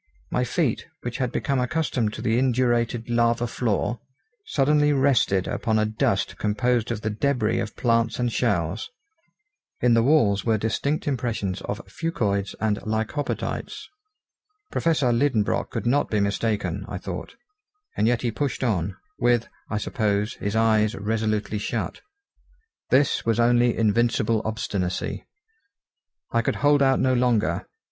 My feet, which had become accustomed to the indurated lava floor, suddenly rested upon a dust composed of the debris of plants and shells. In the walls were distinct impressions of fucoids and lycopodites. Professor Liedenbrock could not be mistaken, I thought, and yet he pushed on, with, I suppose, his eyes resolutely shut. This was only invincible obstinacy. I could hold out no longer.